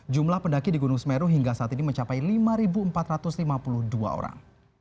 jumlah pendaki di gunung semeru hingga saat ini mencapai lima empat ratus lima puluh dua orang